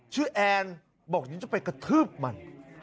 ชื่อแอนบอกอย่างนี้จะไปกระทืบมัน